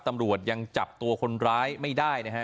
ตำรวจยังจับตัวคนร้ายไม่ได้นะฮะ